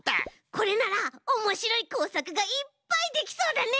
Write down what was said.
これならおもしろいこうさくがいっぱいできそうだね！